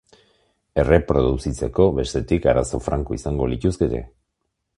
Erreproduzitzeko, bestetik, arazo franko izango lituzkete.